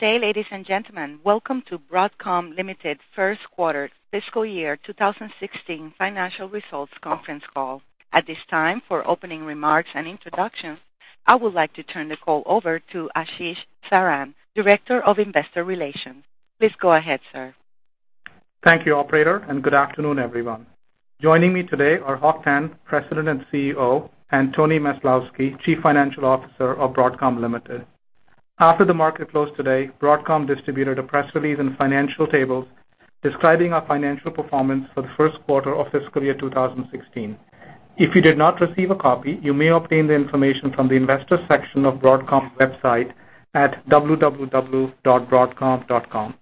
Good day, ladies and gentlemen. Welcome to Broadcom Limited's first quarter fiscal year 2016 financial results conference call. At this time, for opening remarks and introductions, I would like to turn the call over to Ashish Saran, Director of Investor Relations. Please go ahead, sir. Thank you, operator, and good afternoon, everyone. Joining me today are Hock Tan, President and CEO, and Tony Maslowski, Chief Financial Officer of Broadcom Limited. After the market closed today, Broadcom distributed a press release and financial tables describing our financial performance for the first quarter of fiscal year 2016. If you did not receive a copy, you may obtain the information from the investor section of Broadcom's website at www.broadcom.com.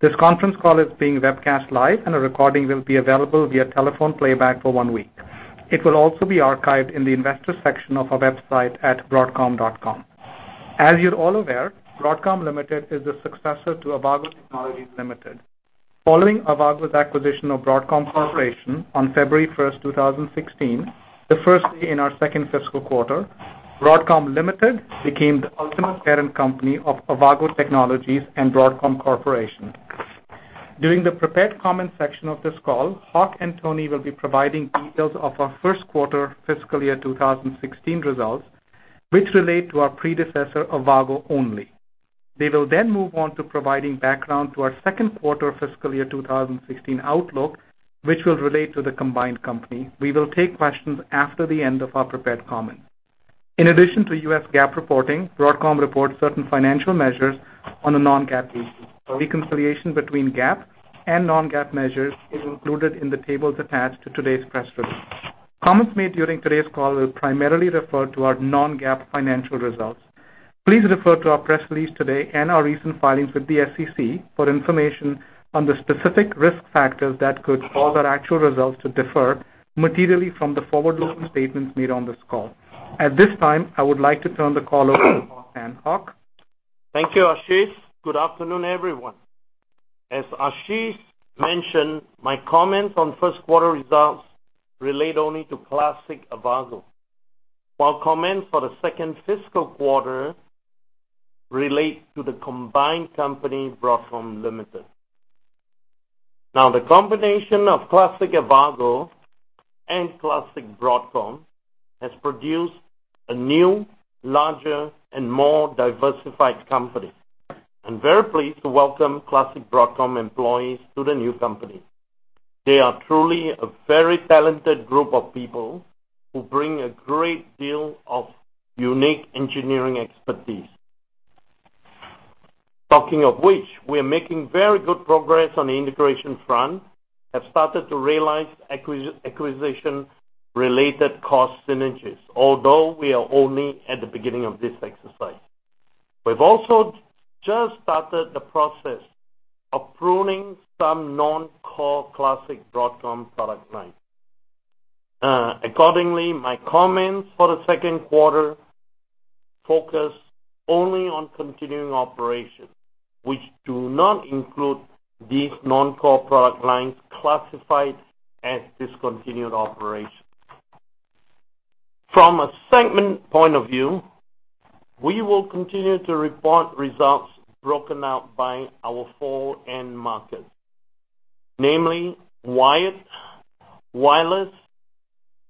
This conference call is being webcast live and a recording will be available via telephone playback for one week. It will also be archived in the investor section of our website at broadcom.com. As you are all aware, Broadcom Limited is the successor to Avago Technologies Limited. Following Avago's acquisition of Broadcom Corporation on February 1st, 2016, the first day in our second fiscal quarter, Broadcom Limited became the ultimate parent company of Avago Technologies and Broadcom Corporation. During the prepared comment section of this call, Hock and Tony will be providing details of our first quarter fiscal year 2016 results, which relate to our predecessor, Avago, only. They will then move on to providing background to our second quarter fiscal year 2016 outlook, which will relate to the combined company. We will take questions after the end of our prepared comments. In addition to US GAAP reporting, Broadcom reports certain financial measures on a non-GAAP basis. A reconciliation between GAAP and non-GAAP measures is included in the tables attached to today's press release. Comments made during today's call will primarily refer to our non-GAAP financial results. Please refer to our press release today and our recent filings with the SEC for information on the specific risk factors that could cause our actual results to differ materially from the forward-looking statements made on this call. At this time, I would like to turn the call over to Hock Tan. Hock? Thank you, Ashish. Good afternoon, everyone. As Ashish mentioned, my comments on first quarter results relate only to classic Avago, while comments for the second fiscal quarter relate to the combined company, Broadcom Limited. The combination of classic Avago and classic Broadcom has produced a new, larger, and more diversified company. I'm very pleased to welcome classic Broadcom employees to the new company. They are truly a very talented group of people who bring a great deal of unique engineering expertise. Talking of which, we are making very good progress on the integration front, have started to realize acquisition related cost synergies, although we are only at the beginning of this exercise. We've also just started the process of pruning some non-core classic Broadcom product lines. Accordingly, my comments for the second quarter focus only on continuing operations, which do not include these non-core product lines classified as discontinued operations. From a segment point of view, we will continue to report results broken out by our four end markets, namely wired, wireless,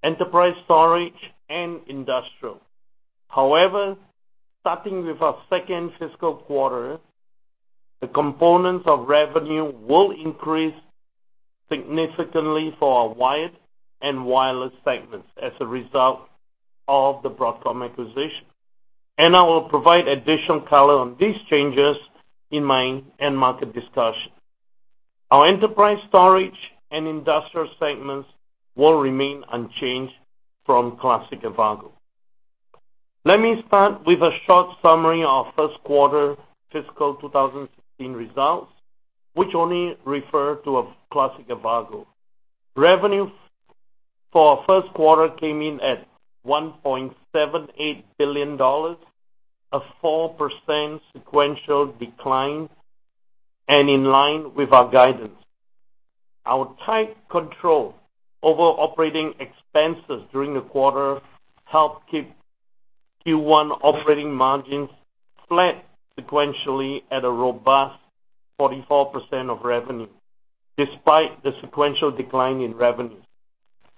enterprise storage, and industrial. However, starting with our second fiscal quarter, the components of revenue will increase significantly for our wired and wireless segments as a result of the Broadcom acquisition. I will provide additional color on these changes in my end market discussion. Our enterprise storage and industrial segments will remain unchanged from classic Avago. Let me start with a short summary of first quarter fiscal 2016 results, which only refer to classic Avago. Revenue for our first quarter came in at $1.78 billion, a 4% sequential decline, and in line with our guidance. Our tight control over operating expenses during the quarter helped keep Q1 operating margins flat sequentially at a robust 44% of revenue, despite the sequential decline in revenues.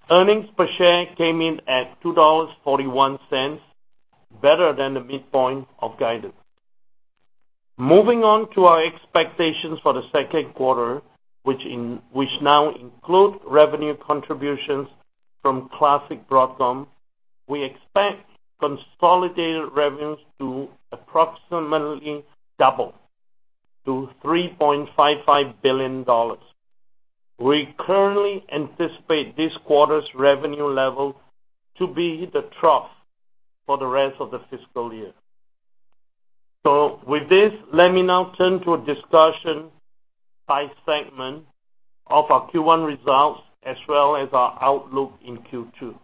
Earnings per share came in at $2.41, better than the midpoint of guidance. Moving on to our expectations for the second quarter, which now include revenue contributions from classic Broadcom, we expect consolidated revenues to approximately double to $3.55 billion. We currently anticipate this quarter's revenue level to be the trough for the rest of the fiscal year. With this, let me now turn to a discussion by segment of our Q1 results as well as our outlook in Q2.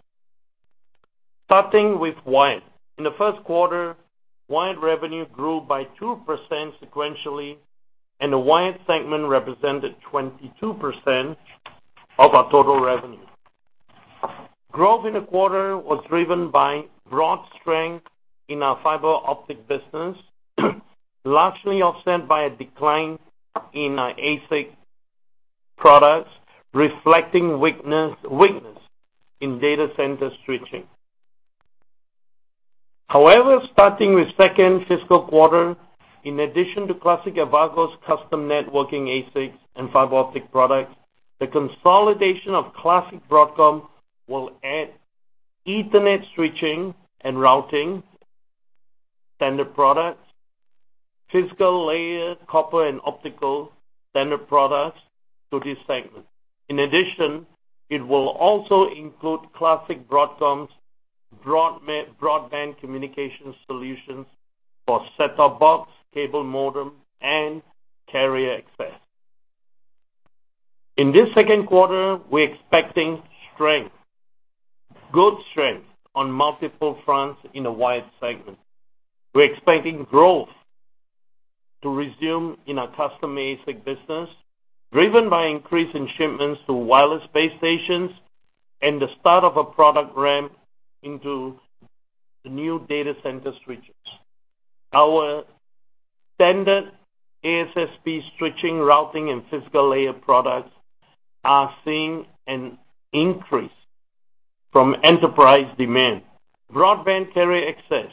Starting with wired. In the first quarter, wired revenue grew by 2% sequentially, and the wired segment represented 22% of our total revenue. Growth in the quarter was driven by broad strength in our fiber optic business, largely offset by a decline in our ASIC products, reflecting weakness in data center switching. However, starting with second fiscal quarter, in addition to classic Avago's custom networking ASIC and fiber optic products, the consolidation of classic Broadcom will add Ethernet switching and routing standard products, physical layer copper and optical standard products to this segment. In addition, it will also include classic Broadcom's broadband communication solutions for set-top box, cable modem, and carrier access. In this second quarter, we're expecting good strength on multiple fronts in the wired segment. We're expecting growth to resume in our custom ASIC business, driven by increase in shipments to wireless base stations and the start of a product ramp into the new data center switches. Our standard ASSP switching, routing, and physical layer products are seeing an increase from enterprise demand. Broadband carrier access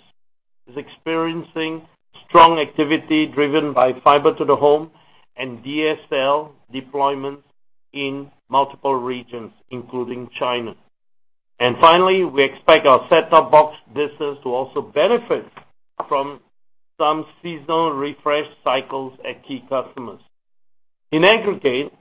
is experiencing strong activity driven by fiber to the home and DSL deployments in multiple regions, including China. Finally, we expect our set-top box business to also benefit from some seasonal refresh cycles at key customers. In aggregate,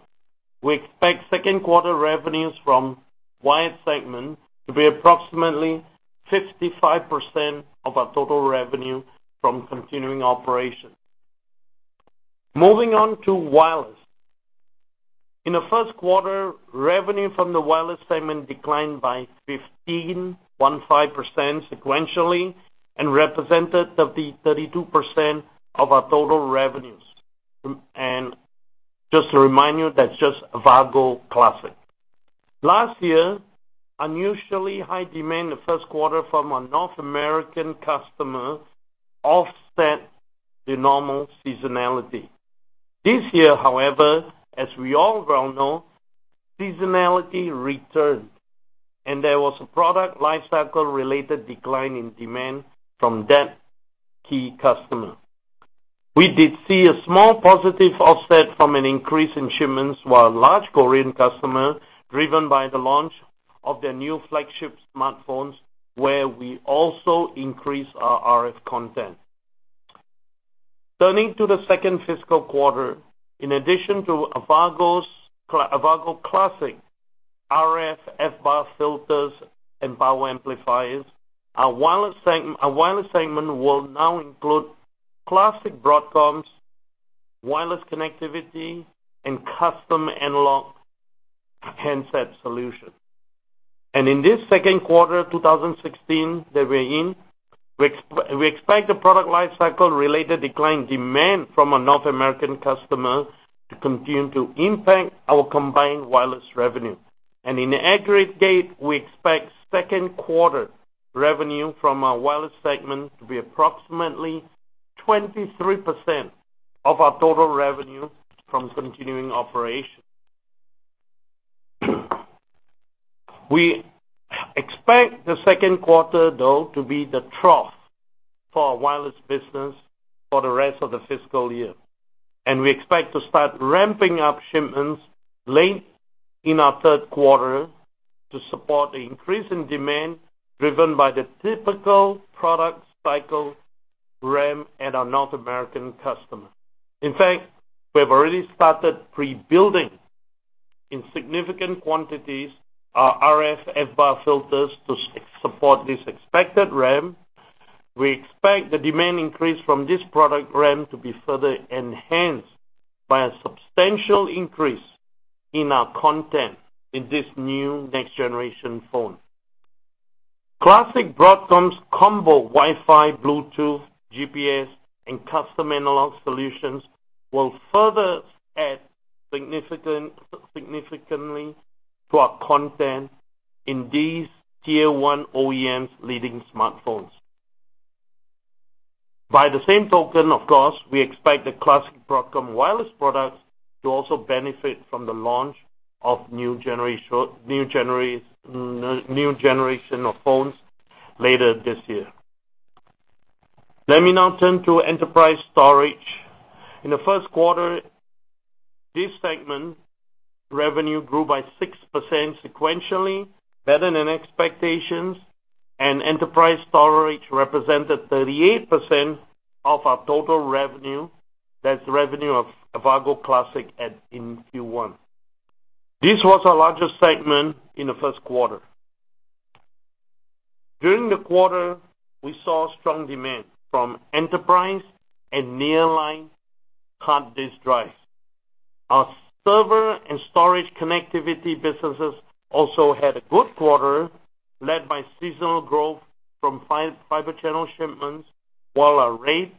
we expect second quarter revenues from wired segment to be approximately 55% of our total revenue from continuing operations. Moving on to wireless. In the first quarter, revenue from the wireless segment declined by 15% sequentially and represented 32% of our total revenues. Just to remind you, that's just Avago Classic. Last year, unusually high demand in the first quarter from our North American customer offset the normal seasonality. This year, however, as we all well know, seasonality returned. There was a product lifecycle related decline in demand from that key customer. We did see a small positive offset from an increase in shipments to our large Korean customer, driven by the launch of their new flagship smartphones, where we also increased our RF content. Turning to the second fiscal quarter, in addition to Avago Classic RF, FBAR filters, and power amplifiers, our wireless segment will now include Classic Broadcom's wireless connectivity and custom analog handset solutions. In this second quarter 2016 that we're in, we expect the product lifecycle related decline in demand from our North American customer to continue to impact our combined wireless revenue. In the aggregate, we expect second quarter revenue from our wireless segment to be approximately 23% of our total revenue from continuing operations. We expect the second quarter, though, to be the trough for our wireless business for the rest of the fiscal year. We expect to start ramping up shipments late in our third quarter to support the increase in demand driven by the typical product cycle ramp at our North American customer. In fact, we have already started pre-building in significant quantities our RF FBAR filters to support this expected ramp. We expect the demand increase from this product ramp to be further enhanced by a substantial increase in our content in this new next-generation phone. Classic Broadcom's combo Wi-Fi, Bluetooth, GPS, and custom analog solutions will further add significantly to our content in these tier 1 OEMs leading smartphones. By the same token, of course, we expect the Classic Broadcom wireless products to also benefit from the launch of new generation of phones later this year. Let me now turn to enterprise storage. In the first quarter, this segment revenue grew by 6% sequentially, better than expectations. Enterprise storage represented 38% of our total revenue. That's revenue of Avago Classic in Q1. This was our largest segment in the first quarter. During the quarter, we saw strong demand from enterprise and nearline hard disk drives. Our server and storage connectivity businesses also had a good quarter, led by seasonal growth from Fibre Channel shipments, while our RAID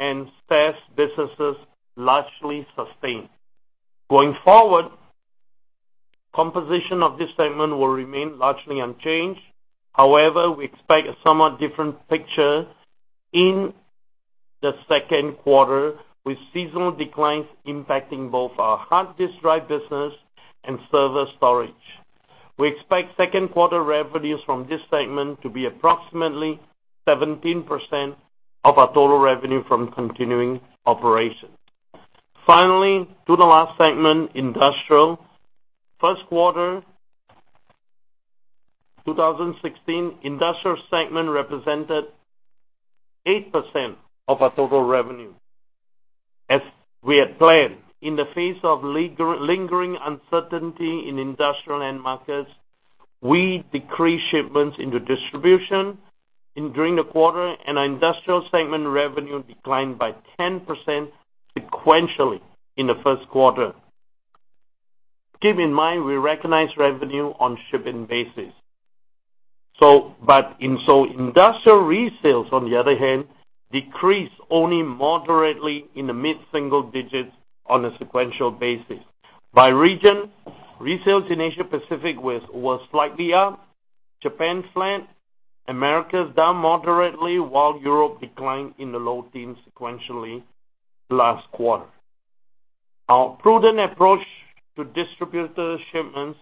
and SAS businesses largely sustained. Going forward, composition of this segment will remain largely unchanged. However, we expect a somewhat different picture in the second quarter, with seasonal declines impacting both our hard disk drive business and server storage. We expect second quarter revenues from this segment to be approximately 17% of our total revenue from continuing operations. Finally, to the last segment, industrial. First quarter 2016, industrial segment represented 8% of our total revenue. As we had planned, in the face of lingering uncertainty in industrial end markets, we decreased shipments into distribution during the quarter, and our industrial segment revenue declined by 10% sequentially in the first quarter. Keep in mind, we recognize revenue on shipping basis. Industrial resales, on the other hand, decreased only moderately in the mid-single digits on a sequential basis. By region, resales in Asia Pacific was slightly up, Japan flat, Americas down moderately, while Europe declined in the low teens sequentially last quarter. Our prudent approach to distributor shipments,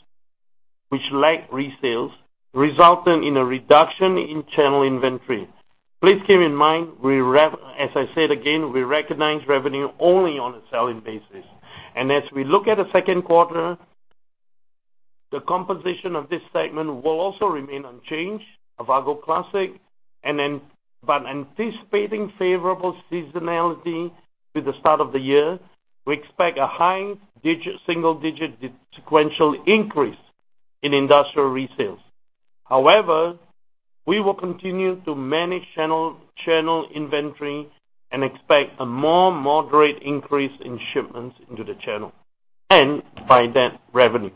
which lag resales, resulted in a reduction in channel inventory. Please keep in mind, as I said again, we recognize revenue only on a selling basis. As we look at the second quarter, the composition of this segment will also remain unchanged, Avago classic. Anticipating favorable seasonality with the start of the year, we expect a high single-digit sequential increase in industrial resales. However, we will continue to manage channel inventory and expect a more moderate increase in shipments into the channel and by that, revenue.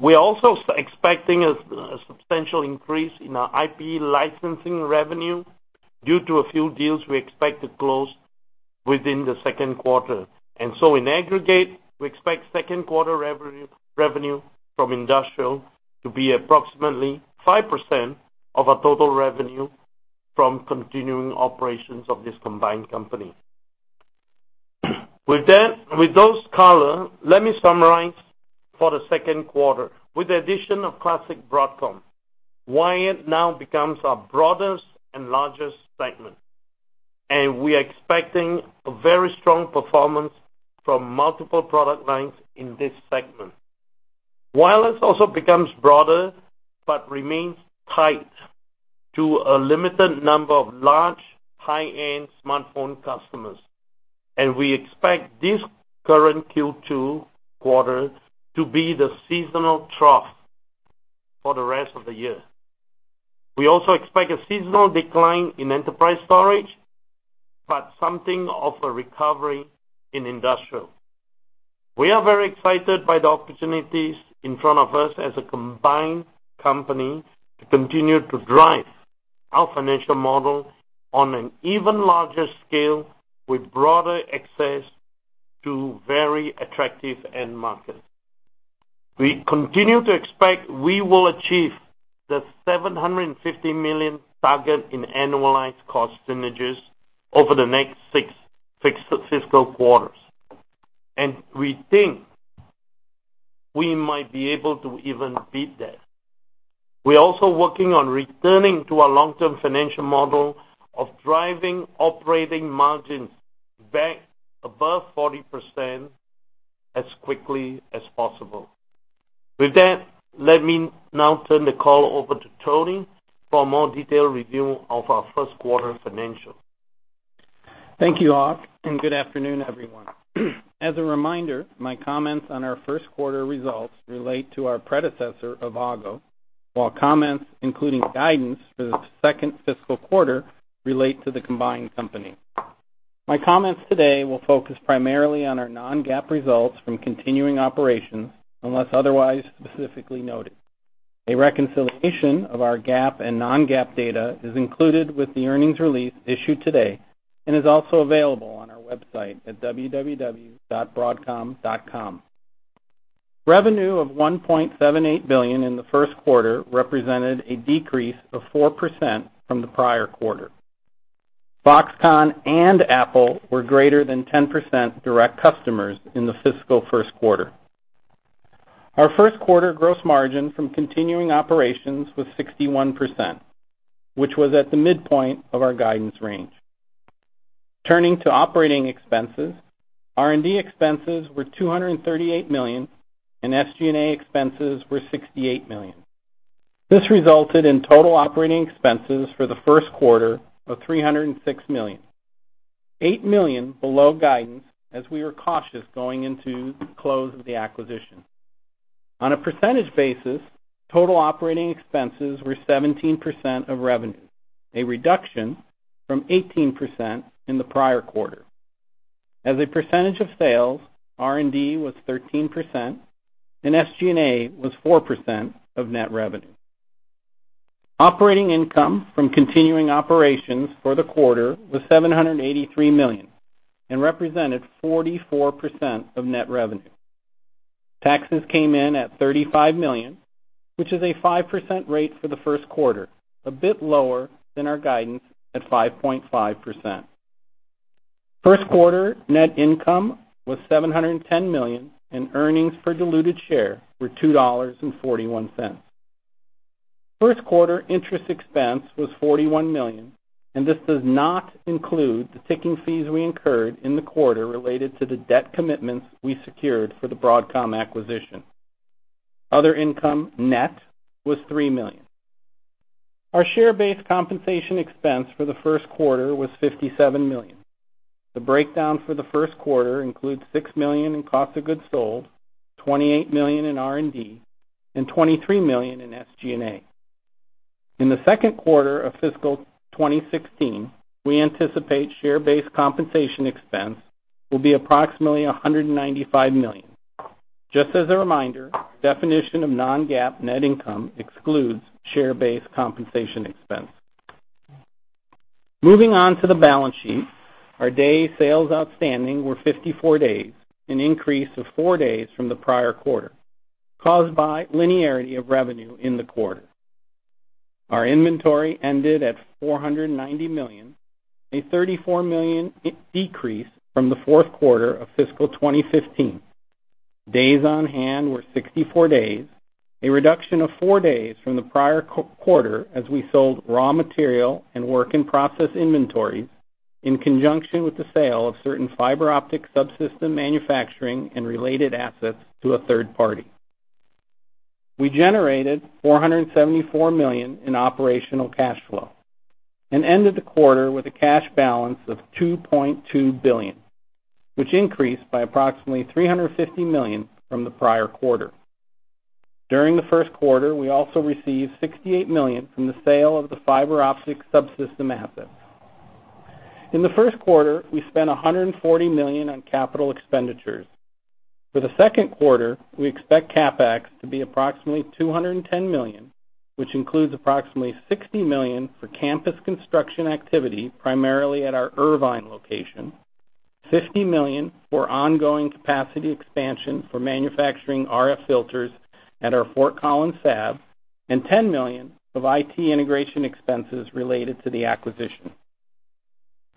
We are also expecting a substantial increase in our IP licensing revenue due to a few deals we expect to close within the second quarter. In aggregate, we expect second quarter revenue from industrial to be approximately 5% of our total revenue from continuing operations of this combined company. With those color, let me summarize for the second quarter. With the addition of classic Broadcom, wired now becomes our broadest and largest segment, and we are expecting a very strong performance from multiple product lines in this segment. Wireless also becomes broader, but remains tied to a limited number of large, high-end smartphone customers, and we expect this current Q2 quarter to be the seasonal trough for the rest of the year. We also expect a seasonal decline in enterprise storage, but something of a recovery in industrial. We are very excited by the opportunities in front of us as a combined company to continue to drive our financial model on an even larger scale with broader access to very attractive end markets. We continue to expect we will achieve the $750 million target in annualized cost synergies over the next six fiscal quarters, and we think we might be able to even beat that. We are also working on returning to our long-term financial model of driving operating margins back above 40% as quickly as possible. With that, let me now turn the call over to Tony for a more detailed review of our first quarter financials. Thank you, Hock. Good afternoon, everyone. As a reminder, my comments on our first quarter results relate to our predecessor, Avago, while comments including guidance for the second fiscal quarter relate to the combined company. My comments today will focus primarily on our non-GAAP results from continuing operations, unless otherwise specifically noted. A reconciliation of our GAAP and non-GAAP data is included with the earnings release issued today and is also available on our website at www.broadcom.com. Revenue of $1.78 billion in the first quarter represented a decrease of 4% from the prior quarter. Foxconn and Apple were greater than 10% direct customers in the fiscal first quarter. Our first quarter gross margin from continuing operations was 61%, which was at the midpoint of our guidance range. Turning to operating expenses, R&D expenses were $238 million, and SG&A expenses were $68 million. This resulted in total operating expenses for the first quarter of $306 million, $8 million below guidance as we were cautious going into the close of the acquisition. On a percentage basis, total operating expenses were 17% of revenue, a reduction from 18% in the prior quarter. As a percentage of sales, R&D was 13%, and SG&A was 4% of net revenue. Operating income from continuing operations for the quarter was $783 million and represented 44% of net revenue. Taxes came in at $35 million, which is a 5% rate for the first quarter, a bit lower than our guidance at 5.5%. First quarter net income was $710 million, and earnings per diluted share were $2.41. First quarter interest expense was $41 million, and this does not include the ticking fees we incurred in the quarter related to the debt commitments we secured for the Broadcom acquisition. Other income net was $3 million. Our share-based compensation expense for the first quarter was $57 million. The breakdown for the first quarter includes $6 million in cost of goods sold, $28 million in R&D, and $23 million in SG&A. In the second quarter of fiscal 2016, we anticipate share-based compensation expense will be approximately $195 million. Just as a reminder, definition of non-GAAP net income excludes share-based compensation expense. Moving on to the balance sheet. Our day sales outstanding were 54 days, an increase of four days from the prior quarter, caused by linearity of revenue in the quarter. Our inventory ended at $490 million, a $34 million decrease from the fourth quarter of fiscal 2015. Days on hand were 64 days, a reduction of four days from the prior quarter as we sold raw material and work-in-process inventories in conjunction with the sale of certain fiber optic subsystem manufacturing and related assets to a third party. We generated $474 million in operational cash flow and ended the quarter with a cash balance of $2.2 billion, which increased by approximately $350 million from the prior quarter. During the first quarter, we also received $68 million from the sale of the fiber optic subsystem assets. In the first quarter, we spent $140 million on capital expenditures. For the second quarter, we expect CapEx to be approximately $210 million, which includes approximately $60 million for campus construction activity, primarily at our Irvine location, $50 million for ongoing capacity expansion for manufacturing RF filters at our Fort Collins fab, and $10 million of IT integration expenses related to the acquisition.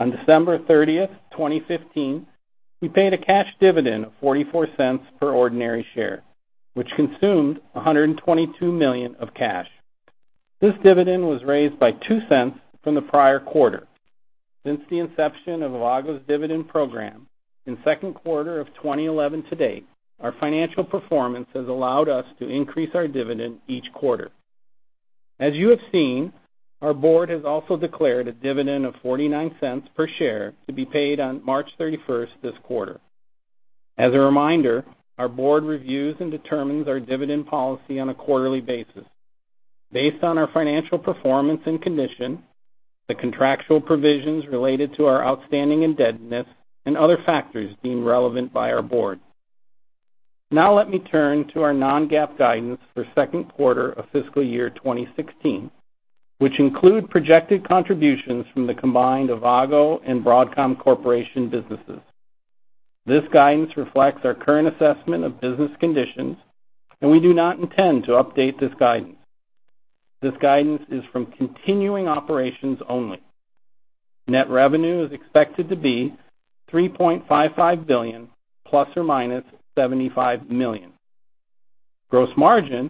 On December 30th, 2015, we paid a cash dividend of $0.44 per ordinary share, which consumed $122 million of cash. This dividend was raised by $0.02 from the prior quarter. Since the inception of Avago's dividend program in second quarter of 2011 to date, our financial performance has allowed us to increase our dividend each quarter. As you have seen, our board has also declared a dividend of $0.49 per share to be paid on March 31st this quarter. Let me turn to our non-GAAP guidance for second quarter of fiscal year 2016, which include projected contributions from the combined Avago and Broadcom Corporation businesses. This guidance reflects our current assessment of business conditions. We do not intend to update this guidance. This guidance is from continuing operations only. Net revenue is expected to be $3.55 billion, ±$75 million. Gross margin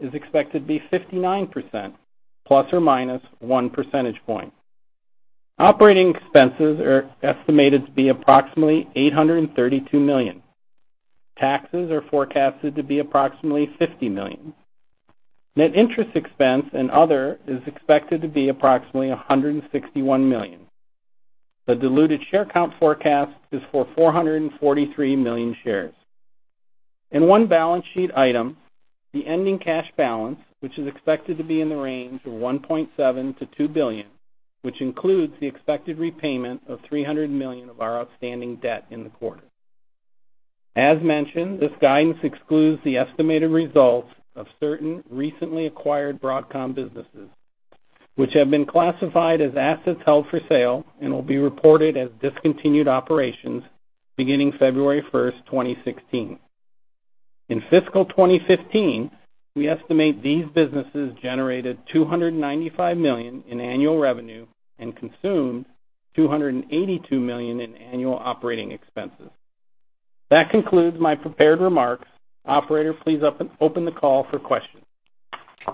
is expected to be 59%, plus or minus one percentage point. Operating expenses are estimated to be approximately $832 million. Taxes are forecasted to be approximately $50 million. Net interest expense and other is expected to be approximately $161 million. The diluted share count forecast is for 443 million shares. In one balance sheet item, the ending cash balance, which is expected to be in the range of $1.7 billion-$2 billion, which includes the expected repayment of $300 million of our outstanding debt in the quarter. As mentioned, this guidance excludes the estimated results of certain recently acquired Broadcom businesses, which have been classified as assets held for sale and will be reported as discontinued operations beginning February 1st, 2016. In fiscal 2015, we estimate these businesses generated $295 million in annual revenue and consumed $282 million in annual operating expenses. That concludes my prepared remarks. Operator, please open the call for questions.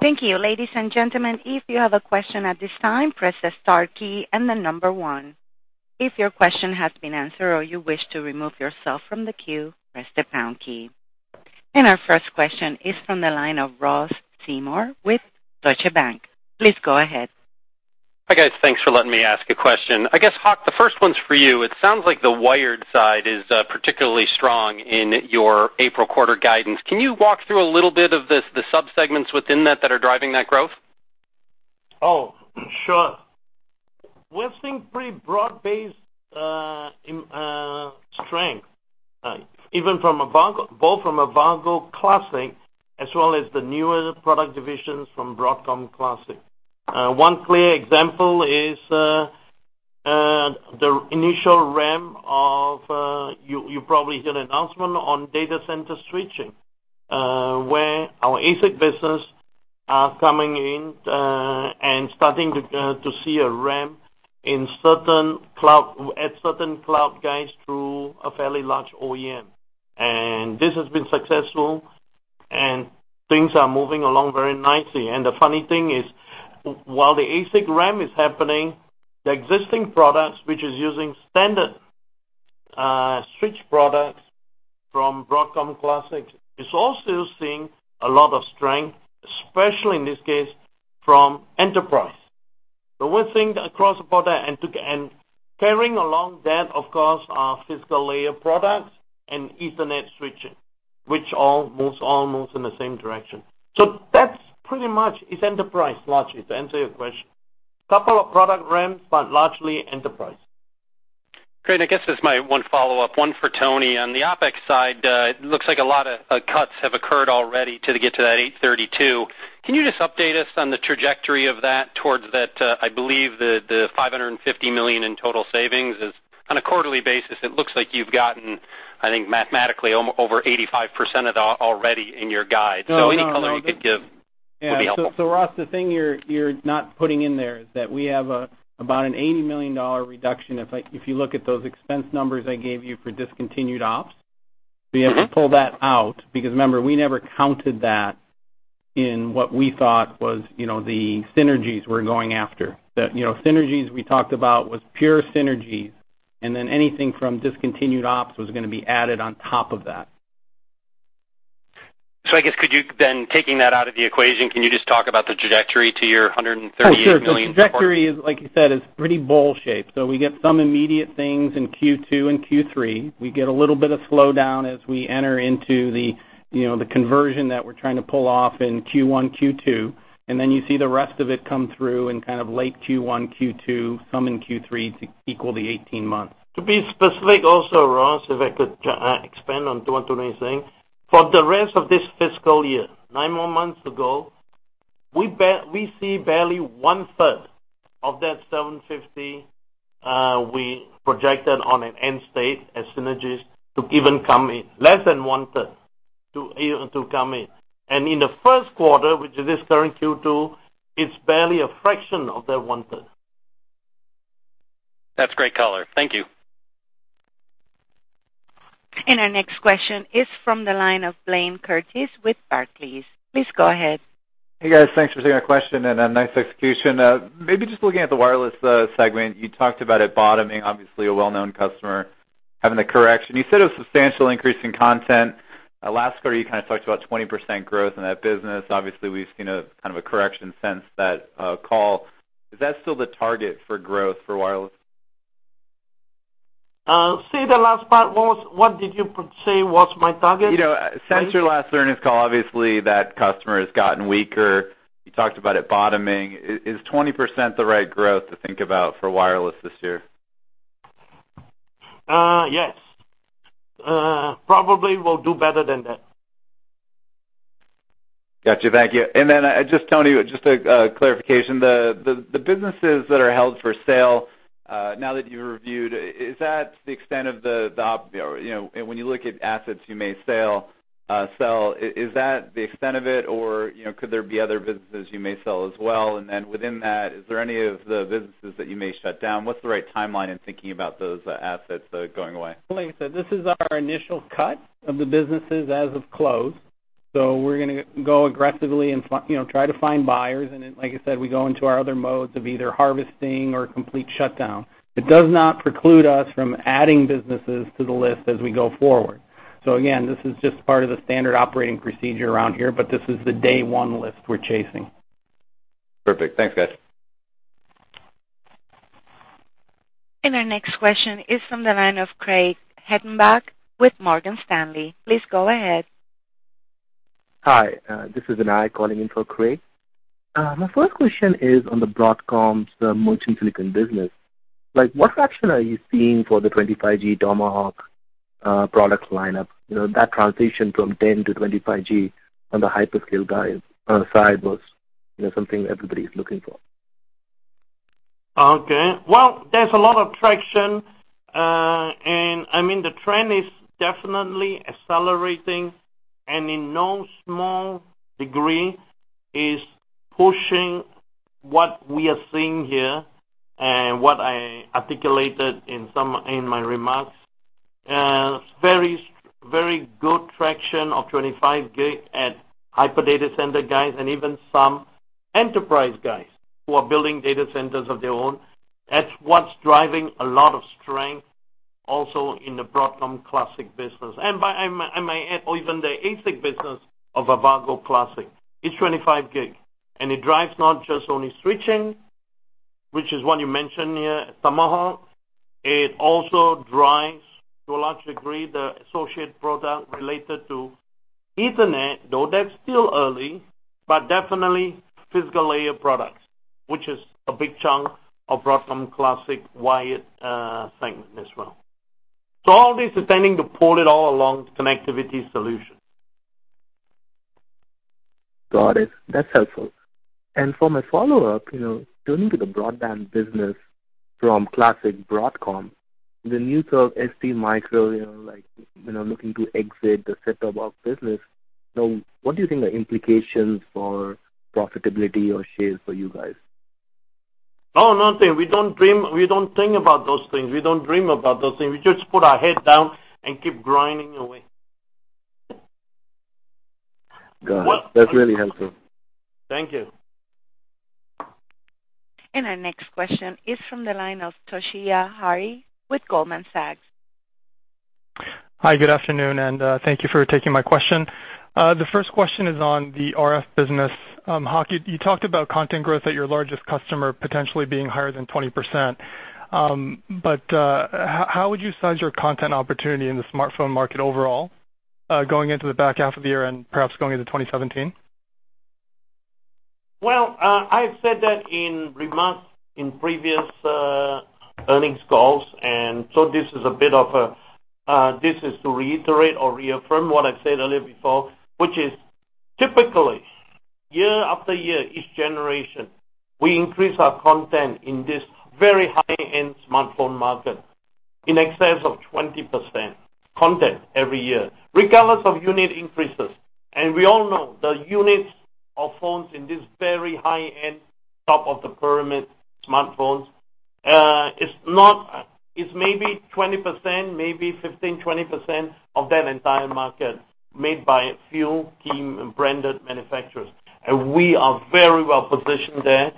Thank you. Ladies and gentlemen, if you have a question at this time, press the star key and the number 1. If your question has been answered or you wish to remove yourself from the queue, press the pound key. Our first question is from the line of Ross Seymore with Deutsche Bank. Please go ahead. Hi, guys. Thanks for letting me ask a question. I guess, Hock, the first one's for you. It sounds like the wired side is particularly strong in your April quarter guidance. Can you walk through a little bit of the sub-segments within that that are driving that growth? Oh, sure. We're seeing pretty broad-based strength both from Avago Classic as well as the newer product divisions from Broadcom Classic. One clear example is the initial ramp of, you probably heard announcement on data center switching where our ASIC business are coming in and starting to see a ramp at certain cloud guys through a fairly large OEM. This has been successful and things are moving along very nicely. The funny thing is, while the ASIC ramp is happening, the existing products, which is using standard switch products from Broadcom Classics, is also seeing a lot of strength, especially in this case from enterprise. We're seeing across the board and pairing along that, of course, are physical layer products and Ethernet switching, which all moves almost in the same direction. That's pretty much is enterprise largely, to answer your question. Couple of product ramps, but largely enterprise. Great. I guess this is my one follow-up, one for Tony. On the OpEx side, it looks like a lot of cuts have occurred already to get to that 832. Can you just update us on the trajectory of that towards that, I believe the $550 million in total savings is on a quarterly basis. It looks like you've gotten, I think, mathematically over 85% of that already in your guide. Any color you could give would be helpful. Ross, the thing you're not putting in there is that we have about an $80 million reduction. If you look at those expense numbers I gave you for discontinued ops, we have to pull that out because remember, we never counted that in what we thought was the synergies we're going after. The synergies we talked about was pure synergies, and then anything from discontinued ops was going to be added on top of that. I guess, could you then, taking that out of the equation, can you just talk about the trajectory to your $138 million? Sure. The trajectory is, like you said, is pretty bowl shaped. We get some immediate things in Q2 and Q3. We get a little bit of slowdown as we enter into the conversion that we're trying to pull off in Q1, Q2, and then you see the rest of it come through in kind of late Q1, Q2, some in Q3 to equal the 18 months. To be specific also, Ross, if I could expand on what Tony is saying. For the rest of this fiscal year, nine more months to go, we see barely one third of that $750 we projected on an end state as synergies to even come in, less than one third to come in. In the first quarter, which is this current Q2, it's barely a fraction of that one third. That's great color. Thank you. Our next question is from the line of Blayne Curtis with Barclays. Please go ahead. Hey, guys. Thanks for taking our question and nice execution. Maybe just looking at the wireless segment, you talked about it bottoming, obviously a well-known customer having a correction. You said a substantial increase in content. Last quarter, you kind of talked about 20% growth in that business. Obviously, we've seen a kind of a correction since that call. Is that still the target for growth for wireless? Say the last part. What did you say was my target? Since your last earnings call, obviously that customer has gotten weaker. You talked about it bottoming. Is 20% the right growth to think about for wireless this year? Yes. Probably we'll do better than that. Got you. Thank you. Tony, just a clarification. The businesses that are held for sale, now that you've reviewed, when you look at assets you may sell, is that the extent of it or could there be other businesses you may sell as well? Within that, is there any of the businesses that you may shut down? What's the right timeline in thinking about those assets going away? Like I said, this is our initial cut of the businesses as of close. We're going to go aggressively and try to find buyers. Like I said, we go into our other modes of either harvesting or complete shutdown. It does not preclude us from adding businesses to the list as we go forward. Again, this is just part of the standard operating procedure around here, but this is the day one list we're chasing. Perfect. Thanks, guys. Our next question is from the line of Craig Hettenbach with Morgan Stanley. Please go ahead. Hi, this is Vinayak calling in for Craig. My first question is on the Broadcom's merchant silicon business. What traction are you seeing for the 25G Tomahawk product lineup? That transition from 10 to 25G on the hyperscale side was something everybody's looking for. Okay. Well, there's a lot of traction. I mean, the trend is definitely accelerating and in no small degree is pushing what we are seeing here and what I articulated in my remarks. Very good traction of 25G at hyper data center guys and even some enterprise guys who are building data centers of their own. That's what's driving a lot of strength also in the Broadcom Classic business. I may add, even the ASIC business of Avago Classic is 25G, and it drives not just only switching, which is one you mentioned here, Tomahawk. It also drives, to a large degree, the associate product related to Ethernet, though that's still early, but definitely physical layer products, which is a big chunk of Broadcom Classic wired segment as well. All this is tending to pull it all along connectivity solutions. Got it. That's helpful. For my follow-up, turning to the broadband business from classic Broadcom, the news of STMicroelectronics looking to exit the set-top box business. What do you think are implications for profitability or shares for you guys? Nothing. We don't think about those things. We don't dream about those things. We just put our head down and keep grinding away. Got it. That's really helpful. Thank you. Our next question is from the line of Toshiya Hari with Goldman Sachs. Hi, good afternoon, thank you for taking my question. The first question is on the RF business. Hock, you talked about content growth at your largest customer potentially being higher than 20%. How would you size your content opportunity in the smartphone market overall, going into the back half of the year and perhaps going into 2017? Well, I've said that in remarks in previous earnings calls, this is to reiterate or reaffirm what I've said earlier before, which is typically, year after year, each generation, we increase our content in this very high-end smartphone market in excess of 20% content every year, regardless of unit increases. We all know the units of phones in this very high-end, top of the pyramid smartphones, it's maybe 20%, maybe 15%, 20% of that entire market made by a few key branded manufacturers. We are very well positioned there.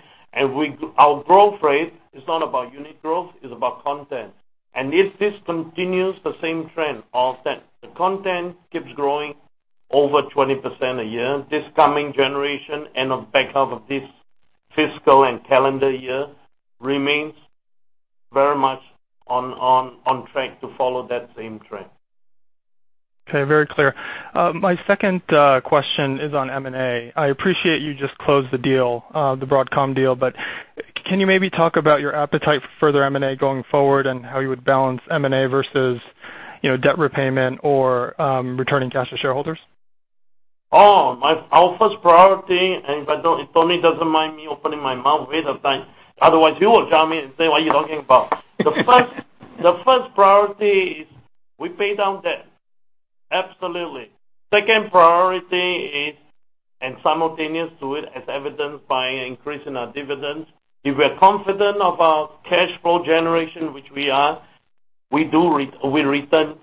Our growth rate is not about unit growth, it's about content. If this continues the same trend, all set. The content keeps growing over 20% a year. This coming generation and the back half of this fiscal and calendar year remains very much on track to follow that same trend. Okay. Very clear. My second question is on M&A. I appreciate you just closed the deal, the Broadcom deal, can you maybe talk about your appetite for further M&A going forward and how you would balance M&A versus debt repayment or returning cash to shareholders? Oh, our first priority, if Tony doesn't mind me opening my mouth waste of time, otherwise he will tell me and say, "What are you talking about?" The first priority is we pay down debt. Absolutely. Simultaneous to it, as evidenced by an increase in our dividends. If we're confident about cash flow generation, which we are, we return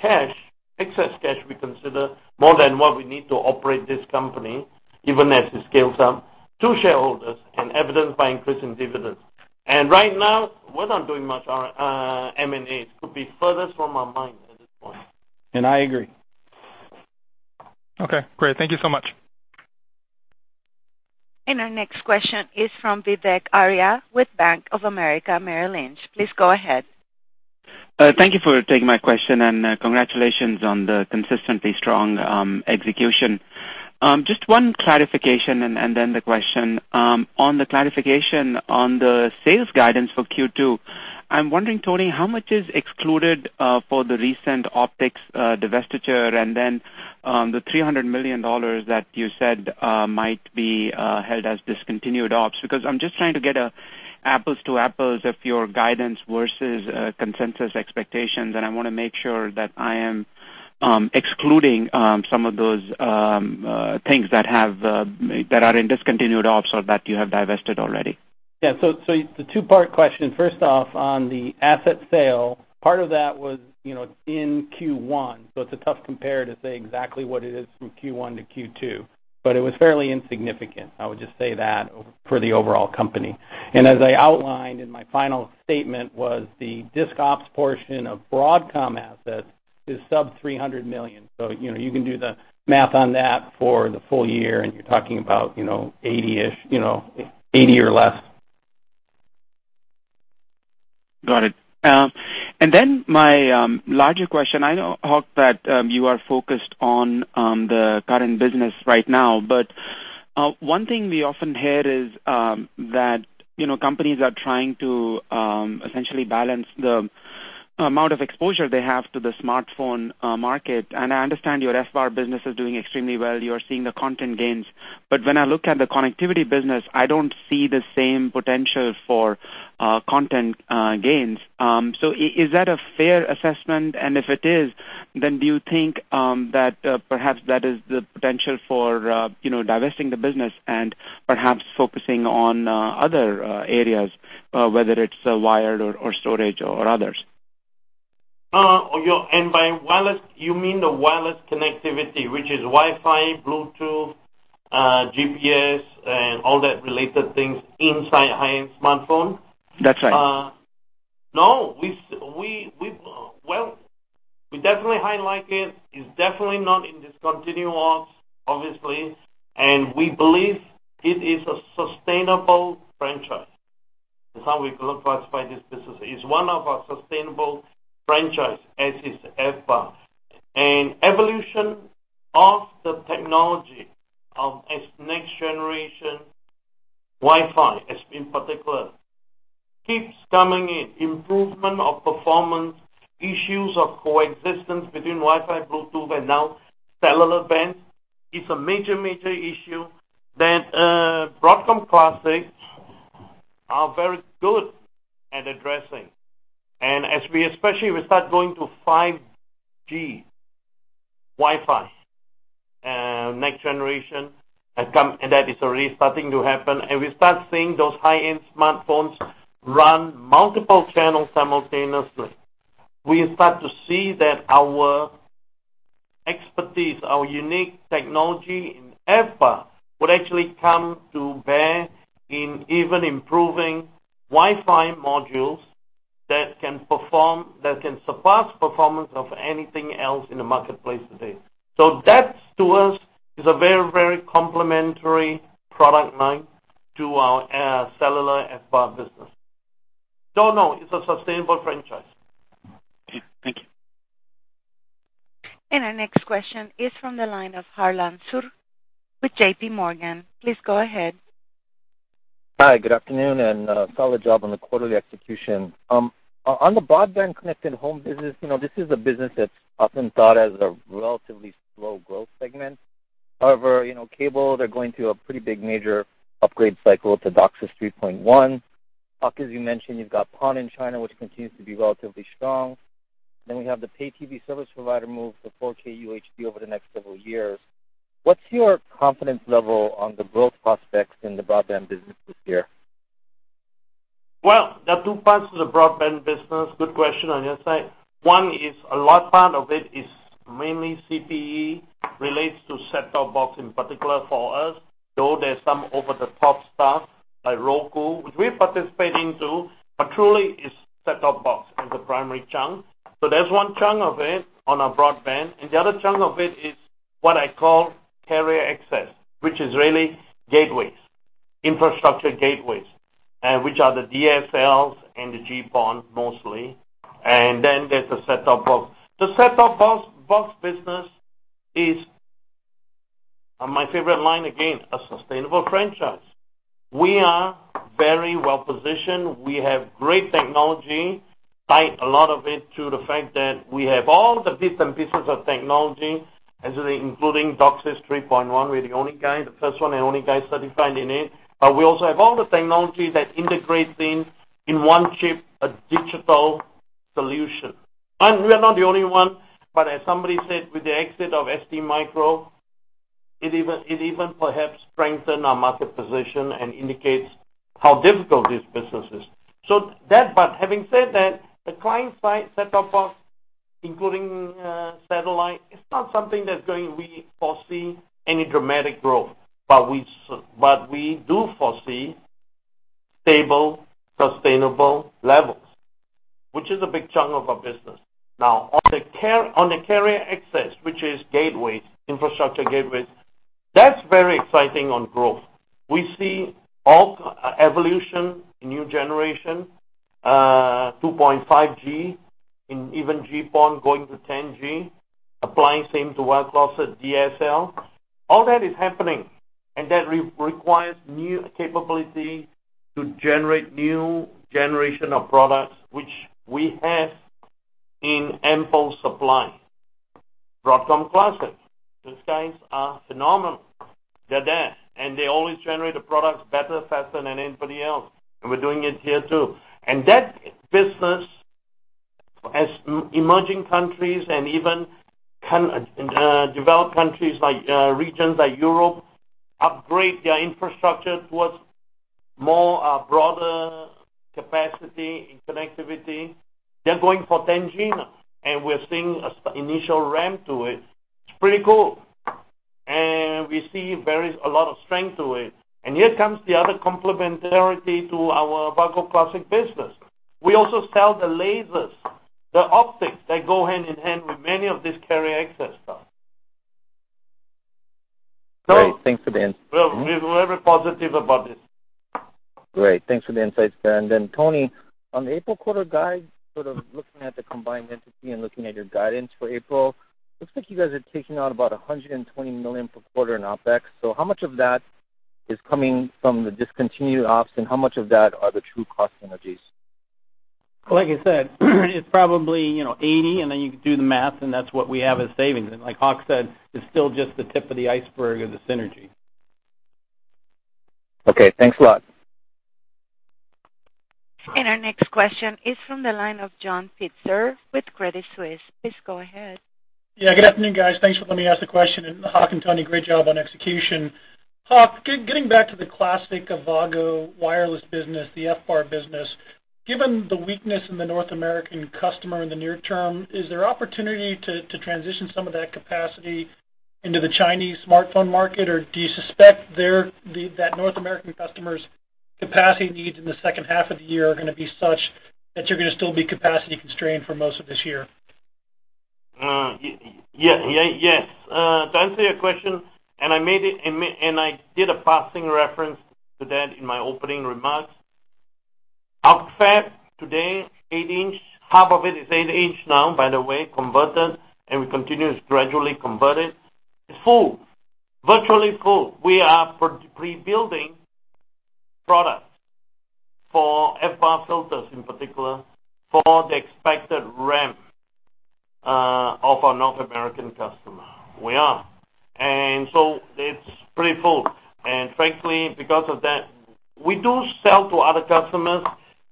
cash, excess cash we consider more than what we need to operate this company, even as we scale some to shareholders and evidenced by increase in dividends. Right now, we're not doing much M&A. It could be furthest from our mind at this point. I agree. Okay, great. Thank you so much. Our next question is from Vivek Arya with Bank of America, Merrill Lynch. Please go ahead. Thank you for taking my question, and congratulations on the consistently strong execution. Just one clarification and then the question. On the clarification on the sales guidance for Q2, I am wondering, Tony, how much is excluded for the recent optics divestiture and then the $300 million that you said might be held as discontinued ops? I am just trying to get an apples-to-apples of your guidance versus consensus expectations, and I want to make sure that I am excluding some of those things that are in discontinued ops or that you have divested already. It is a two-part question. First off, on the asset sale, part of that was in Q1, so it is a tough compare to say exactly what it is from Q1 to Q2, but it was fairly insignificant. I would just say that for the overall company. As I outlined in my final statement was the disc ops portion of Broadcom assets is sub-$300 million. You can do the math on that for the full year, and you're talking about $80 or less. Got it. My larger question, I know, Hock, that you are focused on the current business right now. One thing we often hear is that companies are trying to essentially balance the amount of exposure they have to the smartphone market. I understand your RF business is doing extremely well. You're seeing the content gains. When I look at the connectivity business, I don't see the same potential for content gains. Is that a fair assessment? If it is, do you think that perhaps that is the potential for divesting the business and perhaps focusing on other areas, whether it's wired or storage or others? By wireless, you mean the wireless connectivity, which is Wi-Fi, Bluetooth, GPS, and all that related things inside high-end smartphone? That's right. No. Well, we definitely highlight it. It's definitely not in discontinued ops, obviously, and we believe it is a sustainable franchise. That's how we classify this business. It's one of our sustainable franchise, as is FBAR. Evolution of the technology of, as next generation Wi-Fi, as in particular, keeps coming in. Improvement of performance, issues of coexistence between Wi-Fi, Bluetooth, and now cellular bands is a major issue that Broadcom classic are very good at addressing. As we especially start going to 5G Wi-Fi, next generation that is already starting to happen, and we start seeing those high-end smartphones run multiple channels simultaneously. We start to see that our expertise, our unique technology in FBAR would actually come to bear in even improving Wi-Fi modules that can surpass performance of anything else in the marketplace today. That to us is a very, very complementary product line to our cellular FBAR business. No, it's a sustainable franchise. Okay. Thank you. Our next question is from the line of Harlan Sur with JPMorgan. Please go ahead. Hi, good afternoon, solid job on the quarterly execution. On the broadband connected home business, this is a business that's often thought of as a relatively slow growth segment. However, cable, they're going through a pretty big major upgrade cycle to DOCSIS 3.1. Hock, as you mentioned, you've got PON in China, which continues to be relatively strong. We have the pay TV service provider move to 4K UHD over the next several years. What's your confidence level on the growth prospects in the broadband business this year? Well, there are two parts to the broadband business. Good question on your side. One is a large part of it is mainly CPE, relates to set-top box in particular for us, though there's some over-the-top stuff like Roku, which we're participating to, but truly is set-top box is the primary chunk. There's one chunk of it on our broadband, and the other chunk of it is what I call carrier access, which is really gateways, infrastructure gateways, which are the DSLs and the GPON mostly. There's the set-top box. The set-top box business is, my favorite line again, a sustainable franchise. We are very well-positioned. We have great technology, tied a lot of it to the fact that we have all the bits and pieces of technology, including DOCSIS 3.1. We're the only guy, the first one and only guy certified in it. We also have all the technology that integrates in one chip, a digital solution. We are not the only one, but as somebody said, with the exit of STMicroelectronics, it even perhaps strengthen our market position and indicates how difficult this business is. Having said that, the client-side set-top box, including satellite, is not something that's going we foresee any dramatic growth. We do foresee stable, sustainable levels, which is a big chunk of our business. Now, on the carrier access, which is gateways, infrastructure gateways, that's very exciting on growth. We see evolution, new generation, 2.5G, and even GPON going to 10G, applying same to [wire-crossed DSL]. All that is happening, and that requires new capability to generate new generation of products, which we have in ample supply. Broadcom classic. Those guys are phenomenal. They're there, they always generate the products better, faster than anybody else, we're doing it here, too. That business, as emerging countries and even developed countries like regions like Europe, upgrade their infrastructure towards more broader capacity in connectivity. They're going for 10G now, we're seeing initial ramp to it. It's pretty cool. We see there is a lot of strength to it. Here comes the other complementarity to our AVGO classic business. We also sell the lasers, the optics that go hand in hand with many of these carrier access stuff. Great. Thanks for the. Well, we're very positive about this. Great. Thanks for the insights there. Then Tony, on the April quarter guide, sort of looking at the combined entity and looking at your guidance for April, looks like you guys are taking out about $120 million per quarter in OpEx. How much of that is coming from the discontinued ops, and how much of that are the true cost synergies? Like I said, it's probably 80, and then you can do the math, and that's what we have as savings. Like Hock said, it's still just the tip of the iceberg of the synergy. Okay. Thanks a lot. Our next question is from the line of John Pitzer with Credit Suisse. Please go ahead. Yeah, good afternoon, guys. Thanks for letting me ask the question. Hock and Tony, great job on execution. Hock, getting back to the classic AVGO wireless business, the FBAR business, given the weakness in the North American customer in the near term, is there opportunity to transition some of that capacity into the Chinese smartphone market? Do you suspect that North American customers capacity needs in the second half of the year are going to be such that you're going to still be capacity constrained for most of this year? Yes. To answer your question, I did a passing reference to that in my opening remarks. Our fab today, 8-inch, half of it is 8-inch now, by the way, converted, and we continue to gradually convert it. It's full, virtually full. We are pre-building products for RF filters in particular, for the expected ramp of our North American customer. We are. It's pretty full. Frankly, because of that, we do sell to other customers,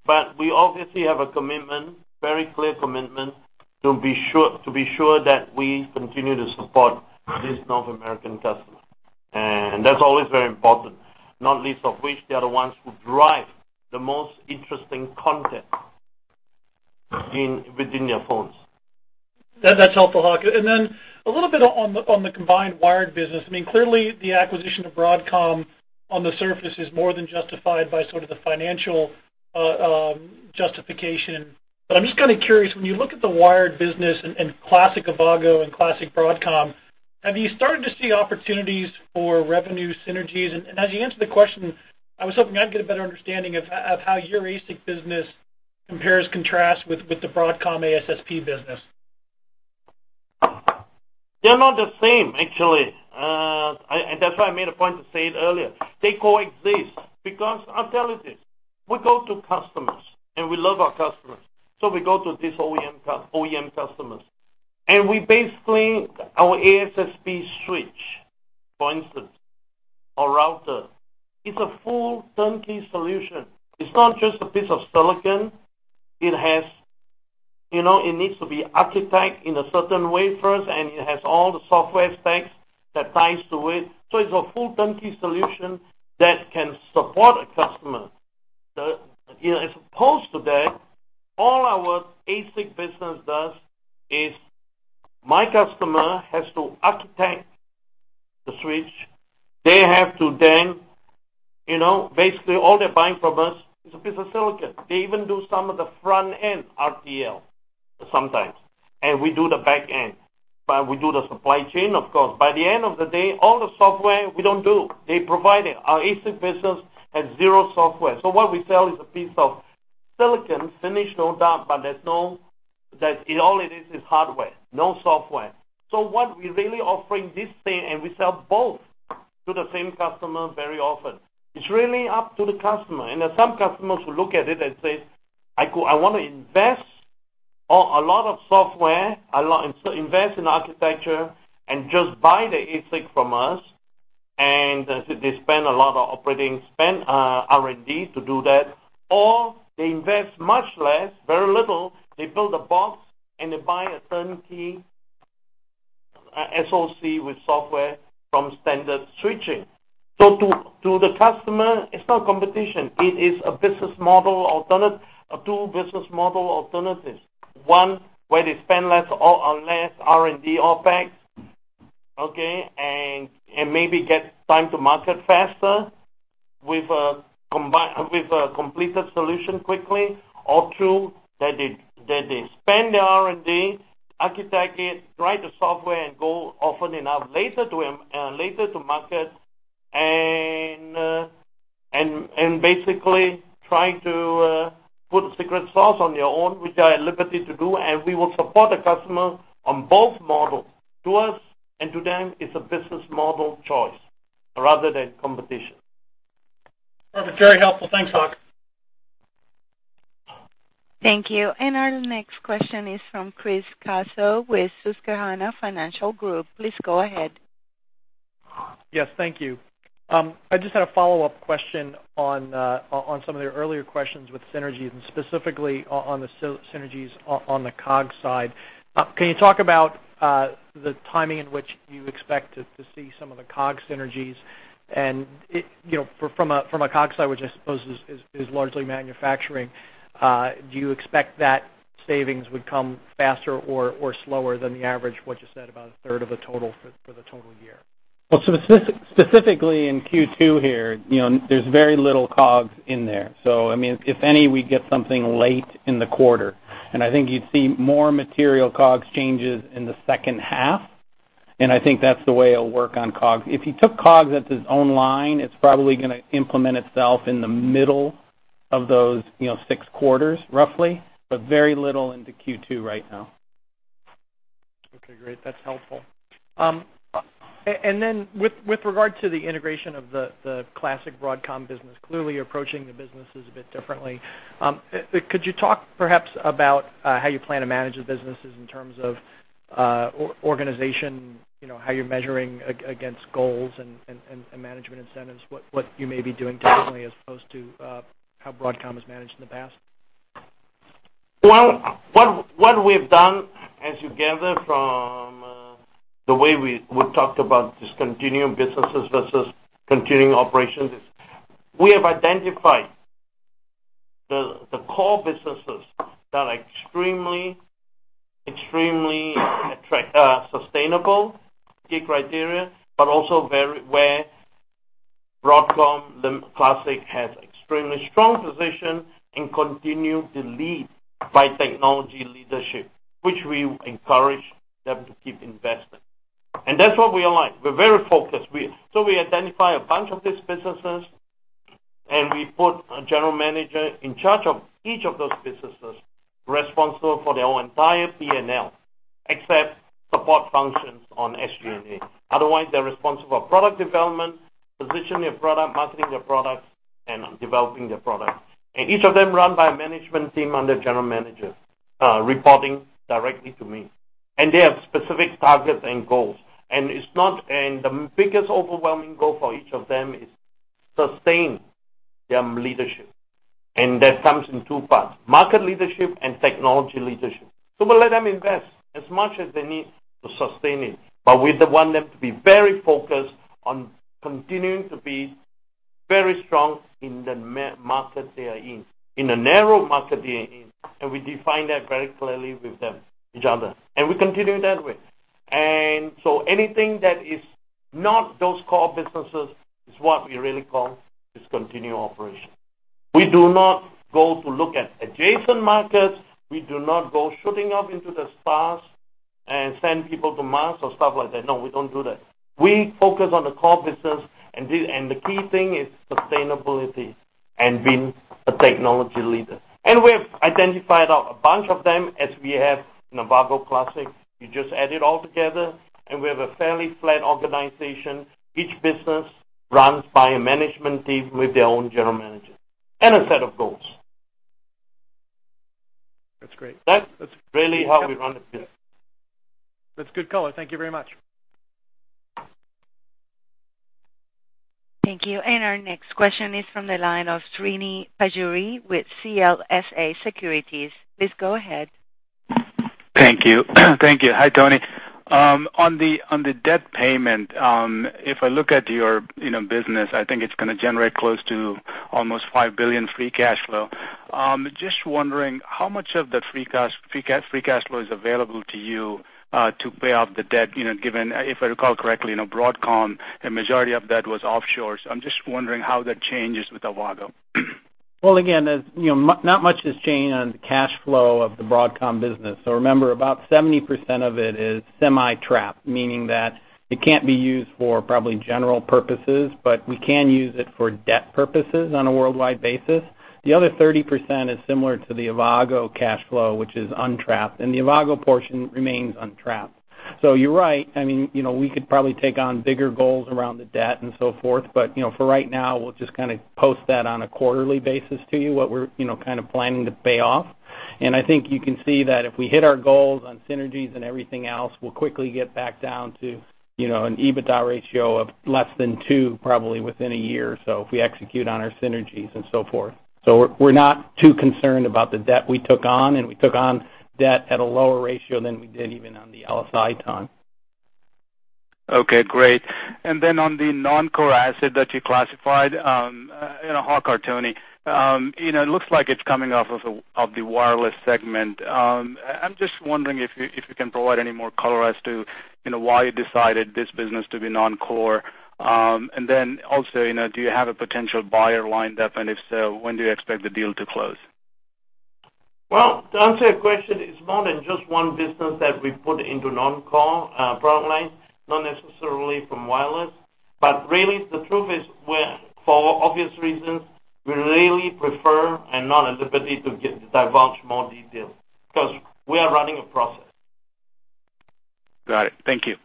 but we obviously have a commitment, very clear commitment to be sure that we continue to support this North American customer. That's always very important, not least of which, they are the ones who drive the most interesting content within their phones. That's helpful, Hock. Then a little bit on the combined wired business. Clearly, the acquisition of Broadcom on the surface is more than justified by sort of the financial justification. I'm just kind of curious, when you look at the wired business and classic Avago and classic Broadcom, have you started to see opportunities for revenue synergies? As you answer the question, I was hoping I'd get a better understanding of how your ASIC business compares, contrasts with the Broadcom ASSP business. They're not the same, actually. That's why I made a point to say it earlier. They coexist because I'll tell you this, we go to customers, we love our customers. We go to these OEM customers, we basically, our ASSP switch, for instance, or router, it's a full turnkey solution. It's not just a piece of silicon. It needs to be architected in a certain way first, it has all the software stacks that ties to it. It's a full turnkey solution that can support a customer. As opposed to that, all our ASIC business does is my customer has to architect the switch. Basically, all they're buying from us is a piece of silicon. They even do some of the front-end RTL sometimes, we do the back end. We do the supply chain, of course. By the end of the day, all the software we don't do. They provide it. Our ASIC business has zero software. What we sell is a piece of silicon, finished, no doubt, but all it is is hardware, no software. What we're really offering this thing, we sell both to the same customer very often. It's really up to the customer. There's some customers who look at it and say, "I want to invest a lot of software, invest in architecture, just buy the ASIC from us." They spend a lot of operating spend R&D to do that, or they invest much less, very little. They build a box, they buy a turnkey SoC with software from standard switching. To the customer, it's not competition. It is a two business model alternatives. One, where they spend less on R&D OpEx, okay, and maybe get time to market faster with a completed solution quickly, or two, that they spend the R&D, architect it, write the software, and go often enough later to market and basically trying to put a secret sauce on their own, which they are at liberty to do, and we will support the customer on both models. To us and to them, it's a business model choice rather than competition. Perfect. Very helpful. Thanks, Hock. Thank you. Our next question is from Chris Caso with Susquehanna Financial Group. Please go ahead. Yes, thank you. I just had a follow-up question on some of the earlier questions with synergies, specifically on the synergies on the COGS side. Can you talk about the timing in which you expect to see some of the COGS synergies? From a COGS side, which I suppose is largely manufacturing, do you expect that savings would come faster or slower than the average, what you said, about a third of the total for the total year? Specifically in Q2 here, there's very little COGS in there. If any, we'd get something late in the quarter. I think you'd see more material COGS changes in the second half, and I think that's the way it'll work on COGS. If you took COGS as its own line, it's probably going to implement itself in the middle of those six quarters, roughly, but very little into Q2 right now. Okay, great. That's helpful. Then with regard to the integration of the classic Broadcom business, clearly approaching the businesses a bit differently. Could you talk perhaps about how you plan to manage the businesses in terms of organization, how you're measuring against goals and management incentives, what you may be doing differently as opposed to how Broadcom has managed in the past? What we've done, as you gather from the way we talked about discontinuing businesses versus continuing operations, is we have identified the core businesses that are extremely sustainable, key criteria, but also where Broadcom, the classic, has extremely strong position and continue to lead by technology leadership, which we encourage them to keep investing. That's what we like. We're very focused. We identify a bunch of these businesses, and we put a general manager in charge of each of those businesses, responsible for their own entire P&L, except support functions on SG&A. Otherwise, they're responsible for product development, positioning their product, marketing their products, and developing their product. Each of them run by a management team under general manager, reporting directly to me. They have specific targets and goals, and the biggest overwhelming goal for each of them is sustain their leadership. That comes in two parts, market leadership and technology leadership. We let them invest as much as they need to sustain it, but we want them to be very focused on continuing to be very strong in the market they are in the narrow market they are in, and we define that very clearly with them, each other, and we continue that way. Anything that is not those core businesses is what we really call discontinue operation. We do not go to look at adjacent markets. We do not go shooting off into the stars and send people to Mars or stuff like that. No, we don't do that. We focus on the core business and the key thing is sustainability and being a technology leader. We've identified a bunch of them as we have Avago Classic. We just add it all together, and we have a fairly flat organization. Each business runs by a management team with their own general manager and a set of goals. That's great. That's really how we run the business. That's good color. Thank you very much. Thank you. Our next question is from the line of Srini Pajjuri with CLSA Securities. Please go ahead. Thank you. Thank you. Hi, Tony. On the debt payment, if I look at your business, I think it's going to generate close to almost $5 billion free cash flow. Just wondering how much of that free cash flow is available to you to pay off the debt, given, if I recall correctly, Broadcom, a majority of debt was offshore. I'm just wondering how that changes with Avago. Again, not much has changed on the cash flow of the Broadcom business. Remember, about 70% of it is semi-trapped, meaning that it can't be used for probably general purposes, but we can use it for debt purposes on a worldwide basis. The other 30% is similar to the Avago cash flow, which is untrapped, and the Avago portion remains untrapped. You're right. We could probably take on bigger goals around the debt and so forth, but for right now, we'll just post that on a quarterly basis to you, what we're planning to pay off. I think you can see that if we hit our goals on synergies and everything else, we'll quickly get back down to an EBITDA ratio of less than two, probably within a year or so, if we execute on our synergies and so forth. We're not too concerned about the debt we took on, and we took on debt at a lower ratio than we did even on the LSI time. Okay, great. On the non-core asset that you classified, Hock or Tony, it looks like it's coming off of the wireless segment. I'm just wondering if you can provide any more color as to why you decided this business to be non-core. Do you have a potential buyer lined up? If so, when do you expect the deal to close? Well, to answer your question, it's more than just one business that we put into non-core product line, not necessarily from wireless. Really, the truth is, for obvious reasons, we really prefer and not in the position to divulge more details because we are running a process. Got it. Thank you.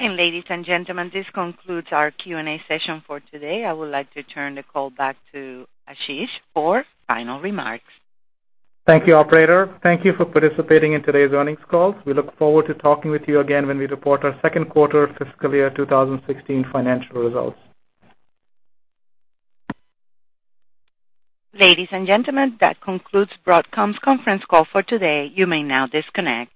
Ladies and gentlemen, this concludes our Q&A session for today. I would like to turn the call back to Ashish for final remarks. Thank you, operator. Thank you for participating in today's earnings call. We look forward to talking with you again when we report our second quarter fiscal year 2016 financial results. Ladies and gentlemen, that concludes Broadcom's conference call for today. You may now disconnect.